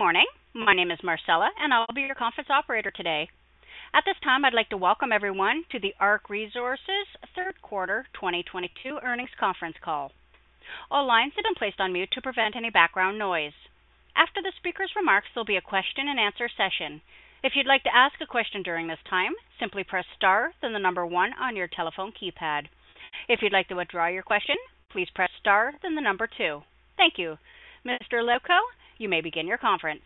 Good morning. My name is Marcella, and I'll be your conference operator today. At this time, I'd like to welcome everyone to the ARC Resources' third quarter 2022 earnings conference call. All lines have been placed on mute to prevent any background noise. After the speaker's remarks, there'll be a question-and-answer session. If you'd like to ask a question during this time, simply press star, then the number one on your telephone keypad. If you'd like to withdraw your question, please press star, then the number two. Thank you. Mr. Lewko, you may begin your conference.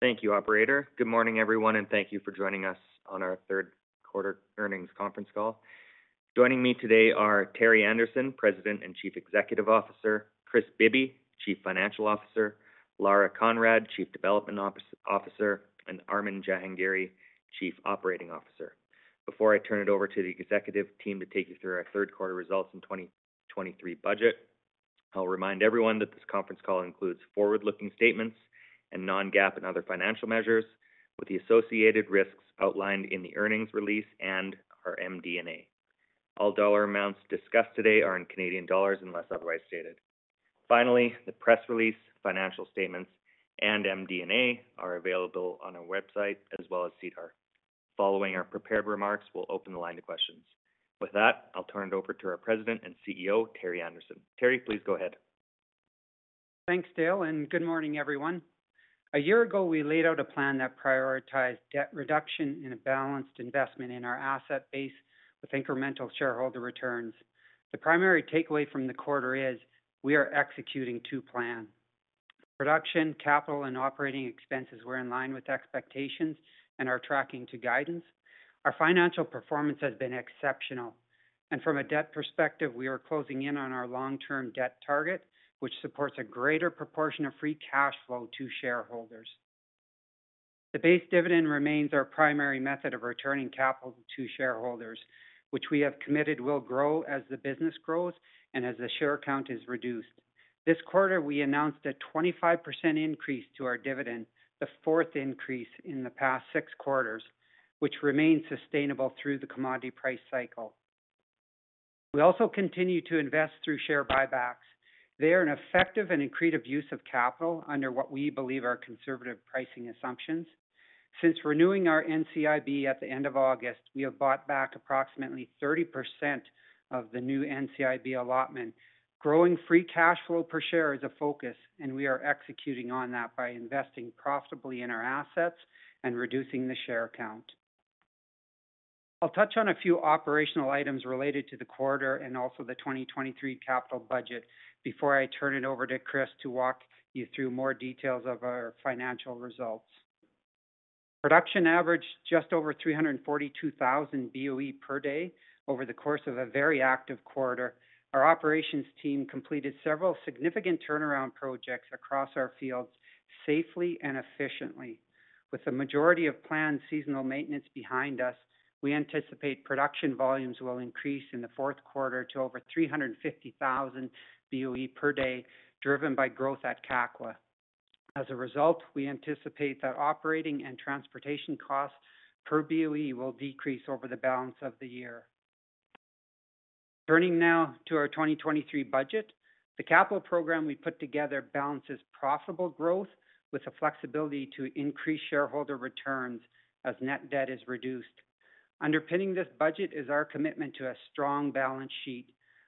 Thank you, operator. Good morning, everyone, and thank you for joining us on our third quarter earnings conference call. Joining me today are Terry Anderson, President and Chief Executive Officer, Kris Bibby, Chief Financial Officer, Lara Conrad, Chief Development Officer, and Armin Jahangiri, Chief Operating Officer. Before I turn it over to the executive team to take you through our third quarter results and 2023 budget, I'll remind everyone that this conference call includes forward-looking statements and non-GAAP and other financial measures with the associated risks outlined in the earnings release and our MD&A. All dollar amounts discussed today are in Canadian dollars unless otherwise stated. Finally, the press release, financial statements, and MD&A are available on our website as well as SEDAR. Following our prepared remarks, we'll open the line to questions. With that, I'll turn it over to our President and CEO, Terry Anderson. Terry, please go ahead. Thanks, Dale, and good morning, everyone. A year ago, we laid out a plan that prioritized debt reduction in a balanced investment in our asset base with incremental shareholder returns. The primary takeaway from the quarter is we are executing to plan. Production, capital, and operating expenses were in line with expectations and are tracking to guidance. Our financial performance has been exceptional. From a debt perspective, we are closing in on our long-term debt target, which supports a greater proportion of free cash flow to shareholders. The base dividend remains our primary method of returning capital to shareholders, which we have committed will grow as the business grows and as the share count is reduced. This quarter, we announced a 25% increase to our dividend, the fourth increase in the past six quarters, which remains sustainable through the commodity price cycle. We also continue to invest through share buybacks. They are an effective and accretive use of capital under what we believe are conservative pricing assumptions. Since renewing our NCIB at the end of August, we have bought back approximately 30% of the new NCIB allotment. Growing free cash flow per share is a focus, and we are executing on that by investing profitably in our assets and reducing the share count. I'll touch on a few operational items related to the quarter and also the 2023 capital budget before I turn it over to Kris to walk you through more details of our financial results. Production averaged just over 342,000 BOE per day over the course of a very active quarter. Our operations team completed several significant turnaround projects across our fields safely and efficiently. With the majority of planned seasonal maintenance behind us, we anticipate production volumes will increase in the fourth quarter to over 350,000 BOE per day, driven by growth at Kakwa. As a result, we anticipate that operating and transportation costs per BOE will decrease over the balance of the year. Turning now to our 2023 budget, the capital program we put together balances profitable growth with the flexibility to increase shareholder returns as net debt is reduced. Underpinning this budget is our commitment to a strong balance sheet,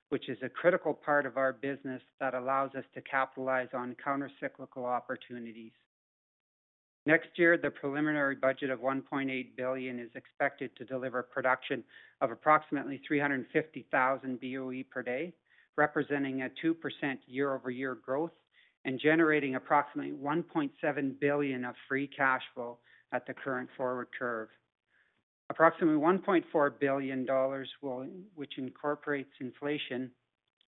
which is a critical part of our business that allows us to capitalize on countercyclical opportunities. Next year, the preliminary budget of 1.8 billion is expected to deliver production of approximately 350,000 BOE per day, representing a 2% year-over-year growth and generating approximately 1.7 billion of free cash flow at the current forward curve. Approximately 1.4 billion dollars, which incorporates inflation,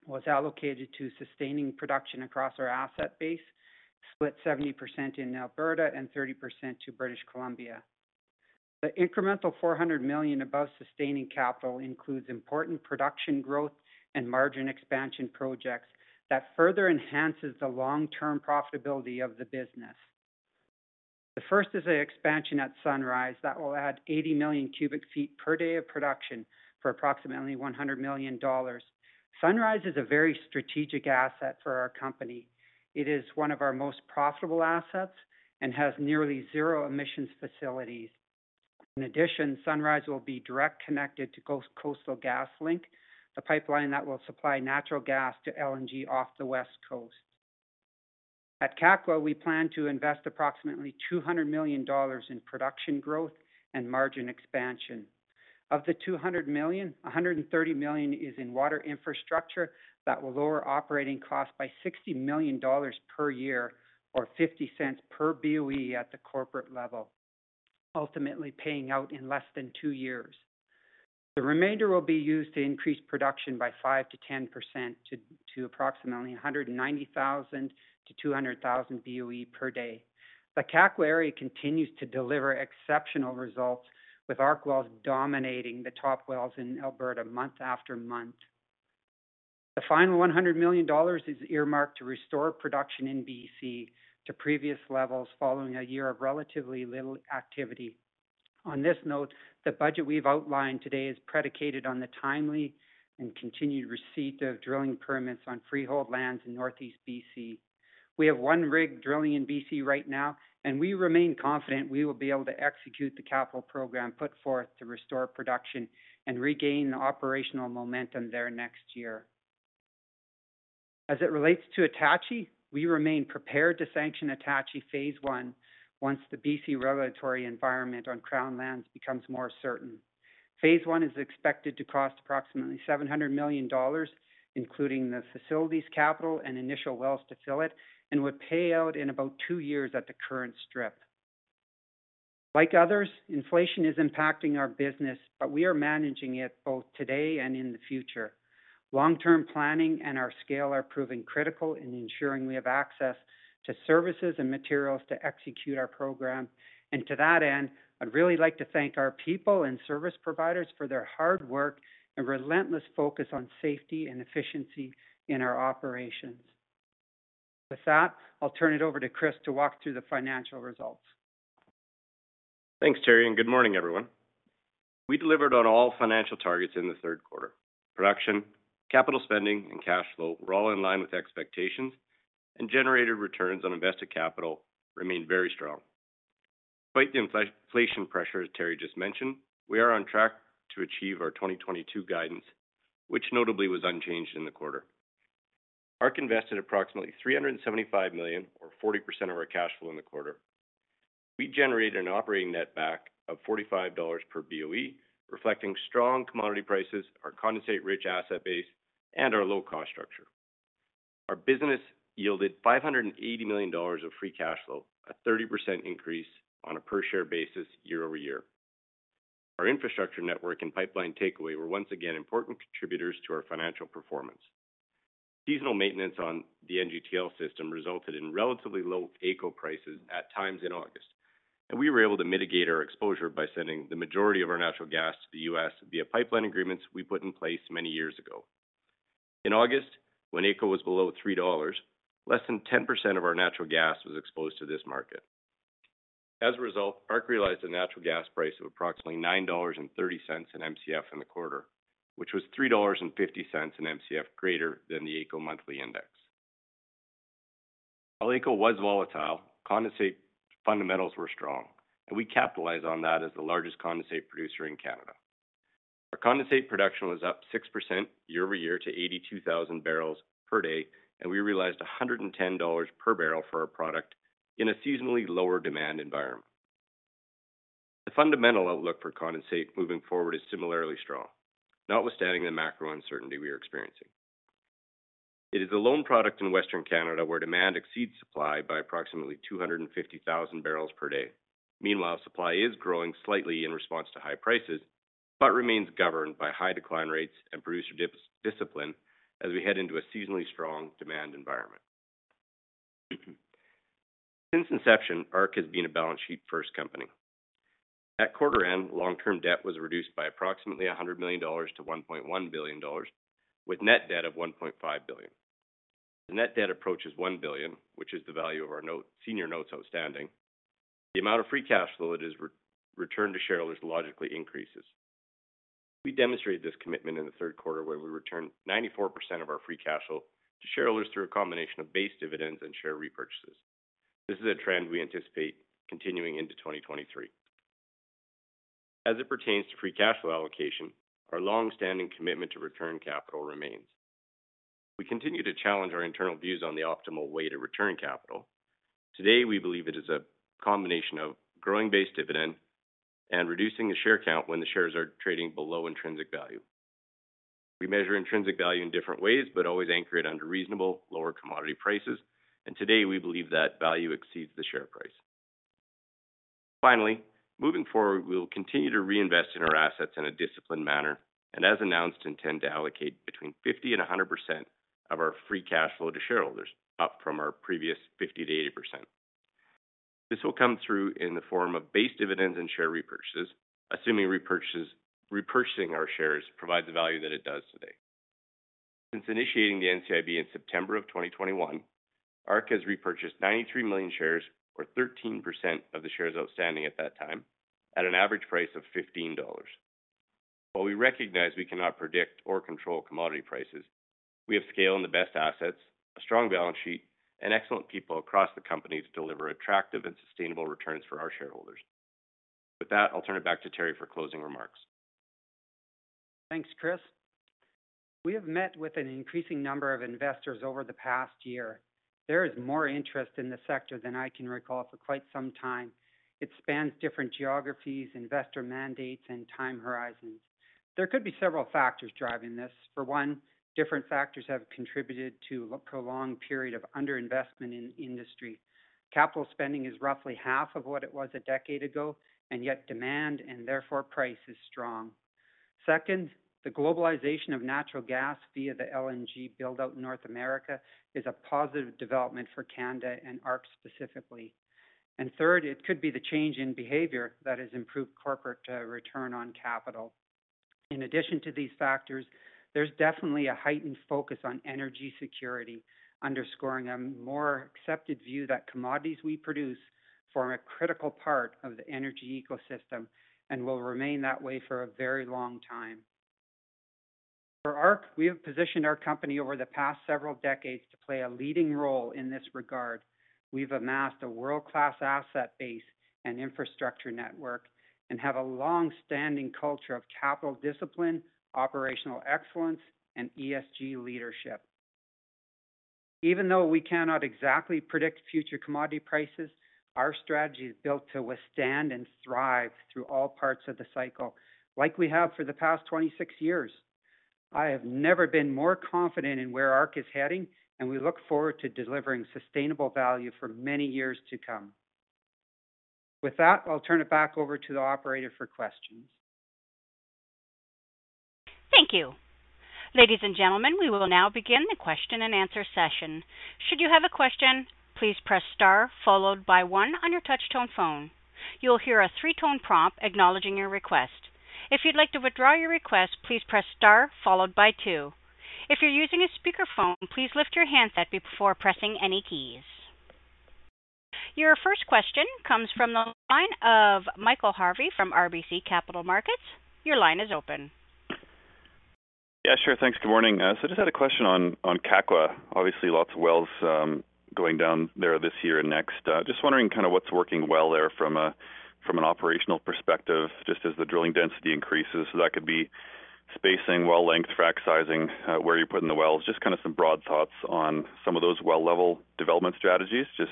was allocated to sustaining production across our asset base, split 70% in Alberta and 30% to British Columbia. The incremental 400 million above sustaining capital includes important production growth and margin expansion projects that further enhances the long-term profitability of the business. The first is an expansion at Sunrise that will add 80 million cubic feet per day of production for approximately 100 million dollars. Sunrise is a very strategic asset for our company. It is one of our most profitable assets and has nearly zero emissions facilities. In addition, Sunrise will be directly connected to Coastal GasLink, the pipeline that will supply natural gas to LNG off the West Coast. At Kakwa, we plan to invest approximately 200 million dollars in production growth and margin expansion. Of the 200 million, 130 million is in water infrastructure that will lower operating costs by 60 million dollars per year or 0.50 per BOE at the corporate level, ultimately paying out in less than two years. The remainder will be used to increase production by 5%-10% to approximately 190,000-200,000 BOE per day. The Kakwa area continues to deliver exceptional results with our wells dominating the top wells in Alberta month after month. The final 100 million dollars is earmarked to restore production in BC to previous levels following a year of relatively little activity. On this note, the budget we've outlined today is predicated on the timely and continued receipt of drilling permits on freehold lands in Northeast BC. We have one rig drilling in BC right now, and we remain confident we will be able to execute the capital program put forth to restore production and regain operational momentum there next year. As it relates to Attachie, we remain prepared to sanction Attachie phase one once the BC regulatory environment on Crown lands becomes more certain. Phase one is expected to cost approximately 700 million dollars, including the facilities capital and initial wells to fill it, and would pay out in about 2 years at the current strip. Like others, inflation is impacting our business, but we are managing it both today and in the future. Long-term planning and our scale are proving critical in ensuring we have access to services and materials to execute our program. To that end, I'd really like to thank our people and service providers for their hard work and relentless focus on safety and efficiency in our operations. With that, I'll turn it over to Kris to walk through the financial results. Thanks, Terry, and good morning, everyone. We delivered on all financial targets in the third quarter. Production, capital spending, and cash flow were all in line with expectations, and generated returns on invested capital remained very strong. Despite the inflation pressure Terry just mentioned, we are on track to achieve our 2022 guidance, which notably was unchanged in the quarter. ARC invested approximately 375 million, or 40% of our cash flow in the quarter. We generated an operating netback of 45 dollars per BOE, reflecting strong commodity prices, our condensate-rich asset base, and our low-cost structure. Our business yielded 580 million dollars of free cash flow, a 30% increase on a per-share basis year-over-year. Our infrastructure network and pipeline takeaway were once again important contributors to our financial performance. Seasonal maintenance on the NGTL system resulted in relatively low AECO prices at times in August, and we were able to mitigate our exposure by sending the majority of our natural gas to the U.S. via pipeline agreements we put in place many years ago. In August, when AECO was below 3 dollars, less than 10% of our natural gas was exposed to this market. As a result, ARC realized a natural gas price of approximately 9.30 dollars/Mcf in the quarter, which was 3.50 dollars/Mcf greater than the AECO monthly index. While AECO was volatile, condensate fundamentals were strong, and we capitalized on that as the largest condensate producer in Canada. Our condensate production was up 6% year-over-year to 82,000 barrels per day, and we realized $110 per barrel for our product in a seasonally lower demand environment. The fundamental outlook for condensate moving forward is similarly strong, notwithstanding the macro uncertainty we are experiencing. It is a lone product in Western Canada where demand exceeds supply by approximately 250,000 barrels per day. Meanwhile, supply is growing slightly in response to high prices, but remains governed by high decline rates and producer discipline as we head into a seasonally strong demand environment. Since inception, ARC has been a balance sheet-first company. At quarter end, long-term debt was reduced by approximately 100 million dollars to 1.1 billion dollars, with net debt of 1.5 billion. The net debt approaches 1 billion, which is the value of our note, senior notes outstanding. The amount of free cash flow that is returned to shareholders logically increases. We demonstrated this commitment in the third quarter where we returned 94% of our free cash flow to shareholders through a combination of base dividends and share repurchases. This is a trend we anticipate continuing into 2023. As it pertains to free cash flow allocation, our long-standing commitment to return capital remains. We continue to challenge our internal views on the optimal way to return capital. Today, we believe it is a combination of growing base dividend and reducing the share count when the shares are trading below intrinsic value. We measure intrinsic value in different ways, but always anchor it under reasonable lower commodity prices, and today we believe that value exceeds the share price. Finally, moving forward, we will continue to reinvest in our assets in a disciplined manner and, as announced, intend to allocate between 50% and 100% of our free cash flow to shareholders, up from our previous 50%-80%. This will come through in the form of base dividends and share repurchases, assuming repurchasing our shares provides the value that it does today. Since initiating the NCIB in September 2021, ARC has repurchased 93 million shares or 13% of the shares outstanding at that time at an average price of 15 dollars. While we recognize we cannot predict or control commodity prices, we have scale in the best assets, a strong balance sheet, and excellent people across the company to deliver attractive and sustainable returns for our shareholders. With that, I'll turn it back to Terry for closing remarks. Thanks, Kris. We have met with an increasing number of investors over the past year. There is more interest in the sector than I can recall for quite some time. It spans different geographies, investor mandates, and time horizons. There could be several factors driving this. For one, different factors have contributed to a prolonged period of under-investment in industry. Capital spending is roughly half of what it was a decade ago, and yet demand, and therefore price, is strong. Second, the globalization of natural gas via the LNG build-out in North America is a positive development for Canada and ARC specifically. Third, it could be the change in behavior that has improved corporate return on capital. In addition to these factors, there's definitely a heightened focus on energy security, underscoring a more accepted view that commodities we produce form a critical part of the energy ecosystem and will remain that way for a very long time. For ARC, we have positioned our company over the past several decades to play a leading role in this regard. We've amassed a world-class asset base and infrastructure network and have a long-standing culture of capital discipline, operational excellence, and ESG leadership. Even though we cannot exactly predict future commodity prices, our strategy is built to withstand and thrive through all parts of the cycle, like we have for the past 26 years. I have never been more confident in where ARC is heading, and we look forward to delivering sustainable value for many years to come. With that, I'll turn it back over to the operator for questions. Thank you. Ladies and gentlemen, we will now begin the question-and-answer session. Should you have a question, please press star followed by one on your touch-tone phone. You will hear a three-tone prompt acknowledging your request. If you'd like to withdraw your request, please press star followed by two. If you're using a speakerphone, please lift your handset before pressing any keys. Your first question comes from the line of Michael Harvey from RBC Capital Markets. Your line is open. Yeah, sure. Thanks. Good morning. So just had a question on Kakwa. Obviously, lots of wells going down there this year and next. Just wondering kinda what's working well there from an operational perspective, just as the drilling density increases. That could be spacing, well length, fracking, where you're putting the wells. Just kinda some broad thoughts on some of those well level development strategies, just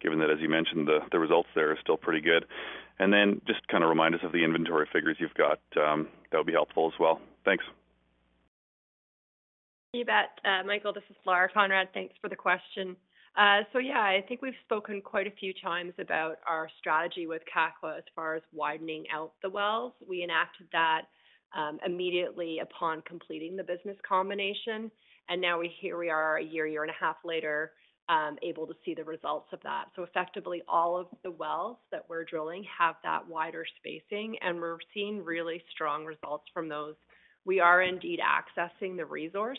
given that, as you mentioned, the results there are still pretty good. Just kinda remind us of the inventory figures you've got, that'll be helpful as well. Thanks. You bet. Michael, this is Lara Conrad. Thanks for the question. Yeah, I think we've spoken quite a few times about our strategy with Kakwa as far as widening out the wells. We enacted that immediately upon completing the business combination, and now here we are a year and a half later, able to see the results of that. Effectively, all of the wells that we're drilling have that wider spacing, and we're seeing really strong results from those. We are indeed accessing the resource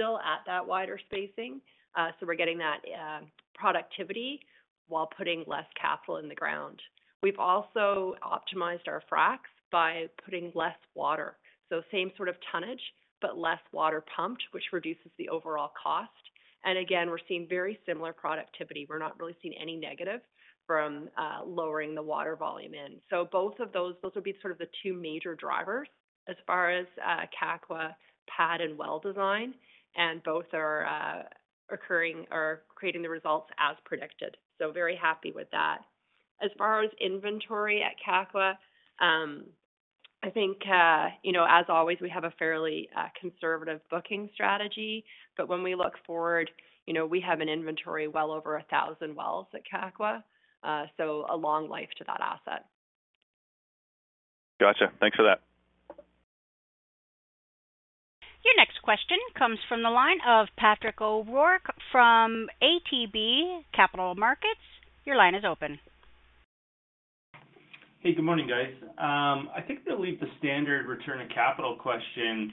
still at that wider spacing, so we're getting that productivity while putting less capital in the ground. We've also optimized our fracs by putting less water. Same sort of tonnage, but less water pumped, which reduces the overall cost. Again, we're seeing very similar productivity. We're not really seeing any negative from lowering the water volume in. Both of those would be sort of the two major drivers as far as Kakwa pad and well design, and both are occurring or creating the results as predicted. Very happy with that. As far as inventory at Kakwa, I think you know, as always, we have a fairly conservative booking strategy. When we look forward, you know, we have an inventory well over 1,000 wells at Kakwa, so a long life to that asset. Gotcha. Thanks for that. Your next question comes from the line of Patrick O'Rourke from ATB Capital Markets. Your line is open. Hey, good morning, guys. I think they'll leave the standard return on capital question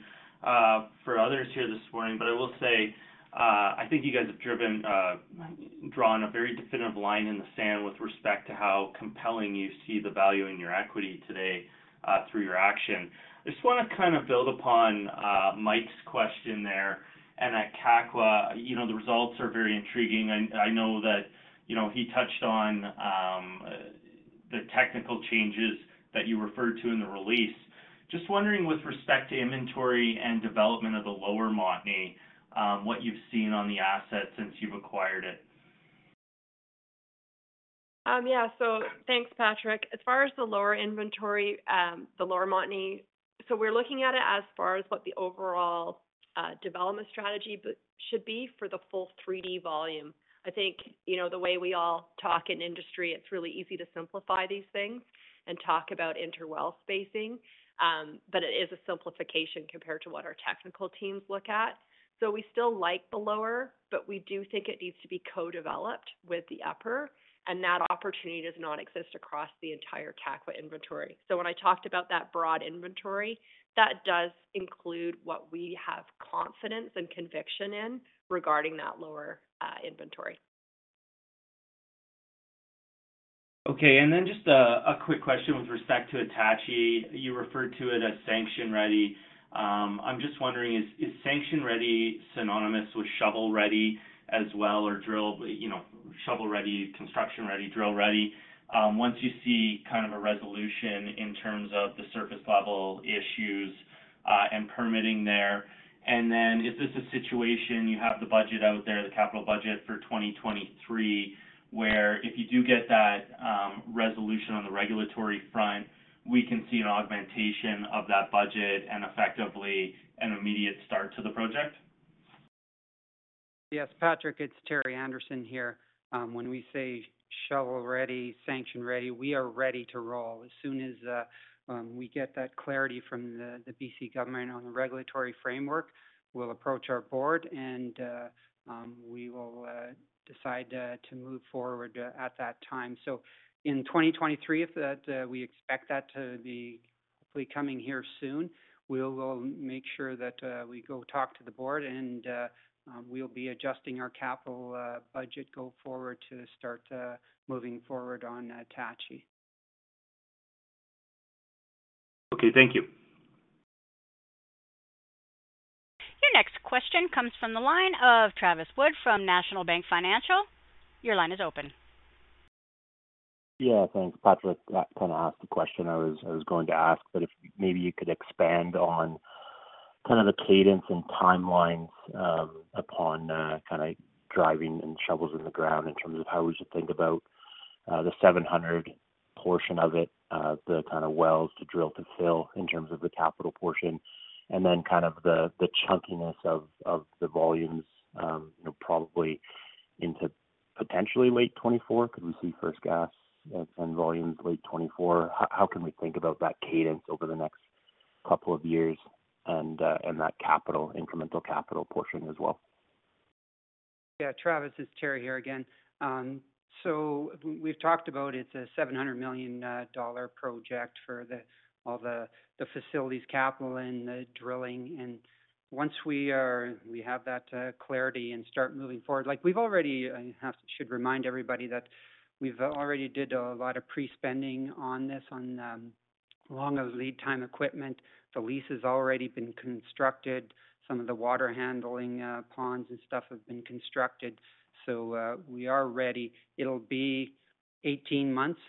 for others here this morning. I will say, I think you guys have drawn a very definitive line in the sand with respect to how compelling you see the value in your equity today, through your action. I just wanna kind of build upon Michael's question there. At Kakwa, you know, the results are very intriguing. I know that, you know, he touched on the technical changes that you referred to in the release. Just wondering with respect to inventory and development of the lower Montney, what you've seen on the asset since you've acquired it. Thanks, Patrick. As far as the lower inventory, the lower Montney, we're looking at it as far as what the overall, development strategy should be for the full 3-D volume. I think, you know, the way we all talk in industry, it's really easy to simplify these things and talk about inter-well spacing. But it is a simplification compared to what our technical teams look at. We still like the lower, but we do think it needs to be co-developed with the upper, and that opportunity does not exist across the entire Kakwa inventory. When I talked about that broad inventory, that does include what we have confidence and conviction in regarding that lower, inventory. Okay. Just a quick question with respect to Attachie. You referred to it as sanction-ready. I'm just wondering, is sanction-ready synonymous with shovel-ready as well, or you know, shovel-ready, construction-ready, drill-ready? Once you see kind of a resolution in terms of the surface level issues and permitting there. Is this a situation you have the budget out there, the capital budget for 2023, where if you do get that resolution on the regulatory front, we can see an augmentation of that budget and effectively an immediate start to the project? Yes, Patrick, it's Terry Anderson here. When we say shovel-ready, sanction-ready, we are ready to roll. As soon as we get that clarity from the BC government on the regulatory framework, we'll approach our board and we will decide to move forward at that time. In 2023, if that, we expect that to be hopefully coming here soon. We'll make sure that we go talk to the board and we'll be adjusting our capital budget going forward to start moving forward on Attachie. Okay, thank you. Your next question comes from the line of Travis Wood from National Bank Financial. Your line is open. Yeah, thanks. Patrick kind of asked the question I was going to ask, but if maybe you could expand on kind of the cadence and timelines upon kind of dirt flying and shovels in the ground in terms of how we should think about the 700 portion of it, the kind of wells to drill to fill in terms of the capital portion and then kind of the chunkiness of the volumes probably into potentially late 2024. Could we see first gas and volumes late 2024? How can we think about that cadence over the next couple of years and that incremental capital portion as well? Yeah. Travis, it's Terry here again. So we've talked about it's a 700 million dollar project for all the facilities capital and the drilling. Once we have that clarity and start moving forward. Like we've already, I should remind everybody that we've already did a lot of pre-spending on this on longer lead time equipment. The lease has already been constructed. Some of the water handling ponds and stuff have been constructed. So we are ready. It'll be 18 months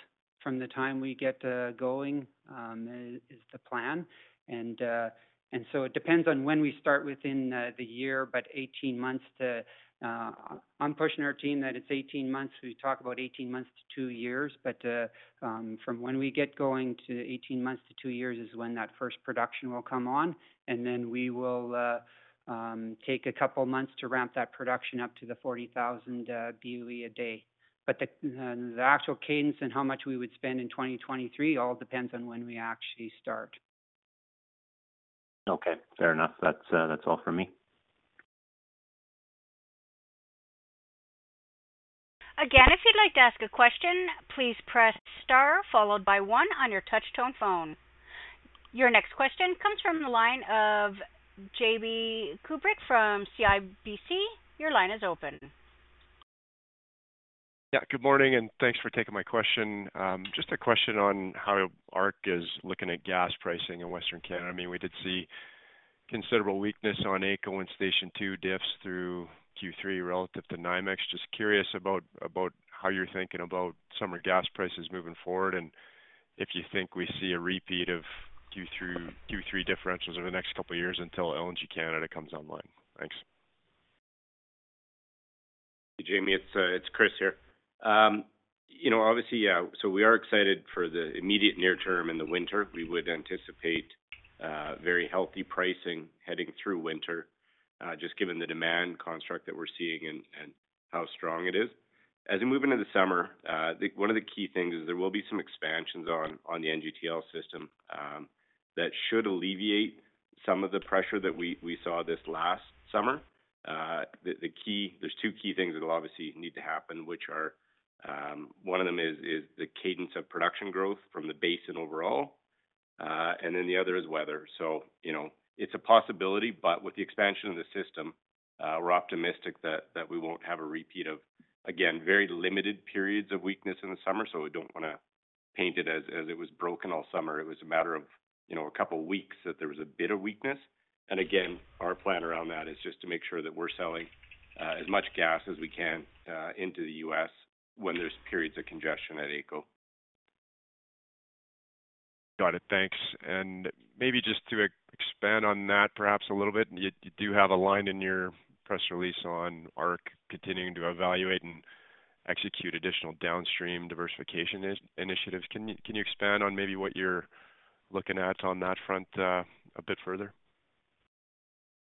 from the time we get going is the plan. And so it depends on when we start within the year, but 18 months to. I'm pushing our team that it's 18 months. We talk about 18 months to two years. From when we get going to 18 months to two years is when that first production will come on, and then we will take a couple months to ramp that production up to the 40,000 BOE a day. The actual cadence and how much we would spend in 2023 all depends on when we actually start. Okay, fair enough. That's all for me. Again, if you'd like to ask a question, please press star followed by one on your touch tone phone. Your next question comes from the line of Jamie Kubik from CIBC. Your line is open. Yeah, good morning, and thanks for taking my question. Just a question on how ARC is looking at gas pricing in Western Canada. I mean, we did see considerable weakness on AECO in Station 2 diffs through Q3 relative to NYMEX. Just curious about how you're thinking about summer gas prices moving forward and if you think we see a repeat of Q3 differentials over the next couple of years until LNG Canada comes online. Thanks. Jamie, it's Kris Bibby here. You know, obviously, yeah, so we are excited for the immediate near term in the winter. We would anticipate very healthy pricing heading through winter, just given the demand construct that we're seeing and how strong it is. As we move into the summer, one of the key things is there will be some expansions on the NGTL system that should alleviate some of the pressure that we saw this last summer. There's two key things that will obviously need to happen, which are, one of them is the cadence of production growth from the basin overall, and then the other is weather. You know, it's a possibility, but with the expansion of the system, we're optimistic that we won't have a repeat of, again, very limited periods of weakness in the summer. We don't wanna paint it as it was broken all summer. It was a matter of, you know, a couple weeks that there was a bit of weakness. Again, our plan around that is just to make sure that we're selling as much gas as we can into the U.S. when there's periods of congestion at AECO. Got it. Thanks. Maybe just to expand on that perhaps a little bit. You do have a line in your press release on ARC continuing to evaluate and execute additional downstream diversification initiatives. Can you expand on maybe what you're looking at on that front, a bit further?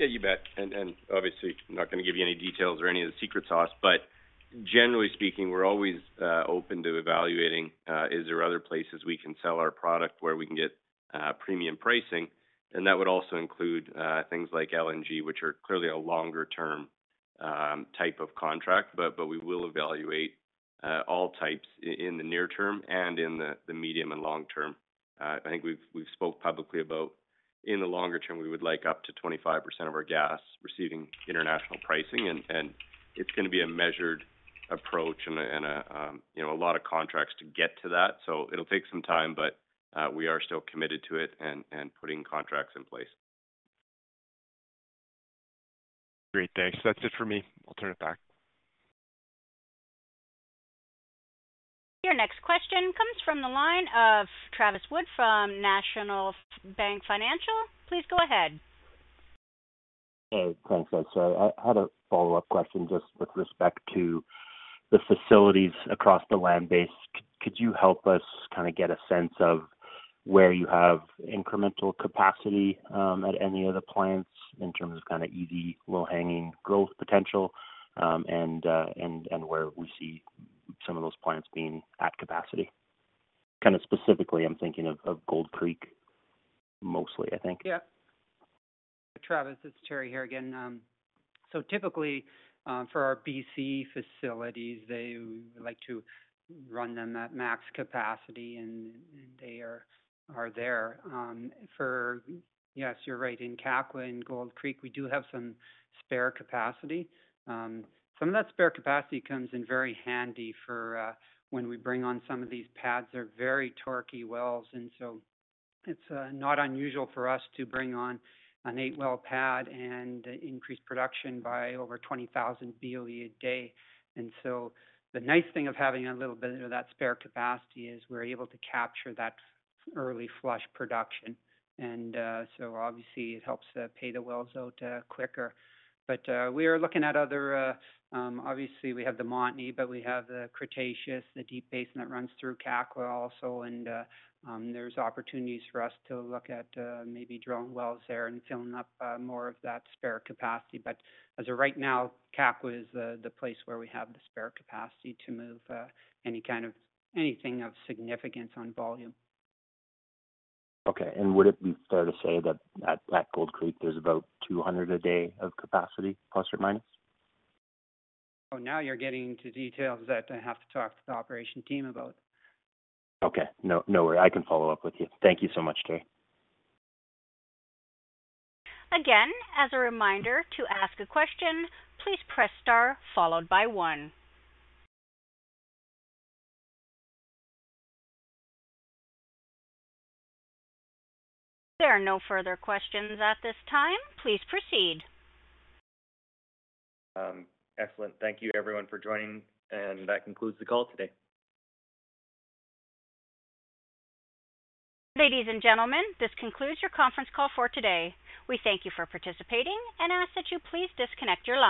Yeah, you bet. Obviously, I'm not gonna give you any details or any of the secret sauce. Generally speaking, we're always open to evaluating is there other places we can sell our product where we can get premium pricing. That would also include things like LNG, which are clearly a longer term type of contract. We will evaluate all types in the near term and in the medium and long term. I think we've spoke publicly about in the longer term, we would like up to 25% of our gas receiving international pricing. It's gonna be a measured approach and a you know, a lot of contracts to get to that. It'll take some time, but we are still committed to it and putting contracts in place. Great. Thanks. That's it for me. I'll turn it back. Your next question comes from the line of Travis Wood from National Bank Financial. Please go ahead. Thanks. I had a follow-up question just with respect to the facilities across the land base. Could you help us kinda get a sense of where you have incremental capacity, at any of the plants in terms of kinda easy, low-hanging growth potential, and where we see some of those plants being at capacity? Kinda specifically, I'm thinking of Gold Creek mostly, I think. Travis, it's Terry here again. Typically, for our BC facilities, they like to run them at max capacity, and they are there. Yes, you're right. In Kakwa and Gold Creek, we do have some spare capacity. Some of that spare capacity comes in very handy for when we bring on some of these pads. They're very torquey wells, and so it's not unusual for us to bring on an eight-well pad and increase production by over 20,000 BOE a day. The nice thing of having a little bit of that spare capacity is we're able to capture that early flush production. Obviously it helps pay the wells out quicker. We are looking at other. Obviously, we have the Montney, but we have the Cretaceous, the deep basin that runs through Kakwa also. There's opportunities for us to look at, maybe drilling wells there and filling up, more of that spare capacity. As of right now, Kakwa is the place where we have the spare capacity to move, anything of significance on volume. Okay. Would it be fair to say that at Gold Creek, there's about 200 a day of capacity, plus or minus? Oh, now you're getting to details that I have to talk to the operations team about. Okay. No, no worries. I can follow up with you. Thank you so much, Terry. Again, as a reminder to ask a question, please press star followed by one. There are no further questions at this time. Please proceed. Excellent. Thank you everyone for joining, and that concludes the call today. Ladies and gentlemen, this concludes your conference call for today. We thank you for participating and ask that you please disconnect your line.